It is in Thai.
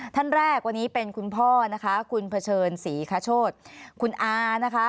ท่านแรกวันนี้เป็นคุณพ่อนะคะคุณเผชิญศรีคโชธคุณอานะคะ